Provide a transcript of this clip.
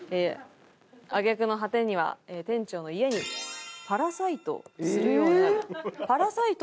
挙げ句の果てには店長の家にパラサイトするようになる。